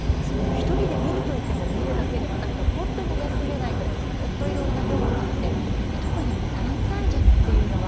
１人で見るといっても見るだけではなくて本当に休めないぐらいずっといろいろな業務があって特に３歳児というのは